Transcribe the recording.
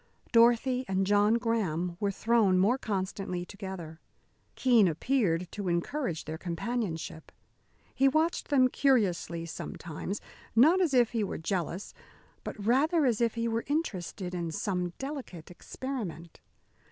Dorothy and John Graham were thrown more constantly together. Keene appeared to encourage their companionship. He watched them curiously, sometimes, not as if he were jealous, but rather as if he were interested in some delicate experiment.